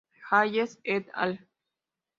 Hayes "et al.